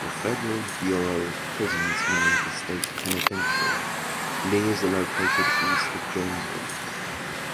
The Federal Bureau of Prisons United States Penitentiary, Lee is located east of Jonesville.